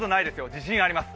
自信があります。